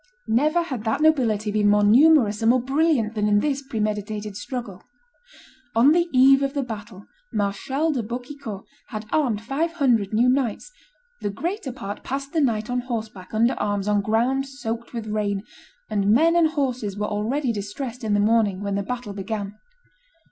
Never had that nobility been more numerous and more brilliant than in this premeditated struggle. On the eve of the battle, Marshal de Boucicaut had armed five hundred new knights; the greater part passed the night on horse back, under arms, on ground soaked with rain; and men and horses were already distressed in the morning, when the battle began.